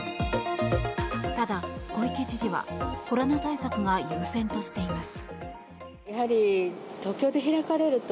ただ、小池知事はコロナ対策が優先としています。